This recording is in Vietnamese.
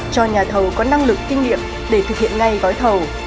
cho nhà thầu có năng lực kinh nghiệm để thực hiện ngay gói thầu